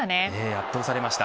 圧倒されました。